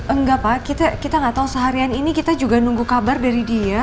enggak pak kita nggak tahu seharian ini kita juga nunggu kabar dari dia